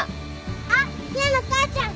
あっ陽菜の母ちゃん！